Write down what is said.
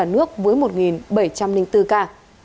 nước với một bảy trăm linh bốn ca